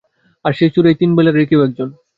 আর সেই চোর এই তিন বিড়ালেরই কেউ একজন।